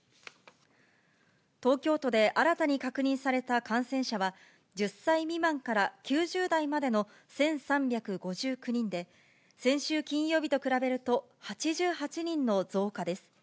東京都で新たに確認された感染者は、１０歳未満から９０代までの１３５９人で、先週金曜日と比べると８８人の増加です。